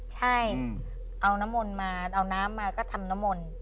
ใช่เอาน้ำมาก็ทำน้ำมน